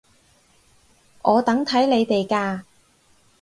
我等睇你哋㗎